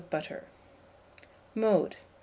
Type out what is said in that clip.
of butter. Mode.